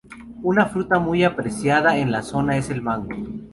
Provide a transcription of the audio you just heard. Una fruta muy apreciada en la zona es el mango.